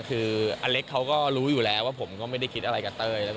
คืออเล็กเขาก็รู้อยู่แล้วว่าผมก็ไม่ได้คิดอะไรกับเต้ย